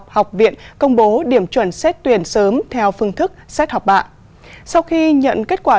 học viện công bố điểm chuẩn xét tuyển sớm theo phương thức xét học bạ sau khi nhận kết quả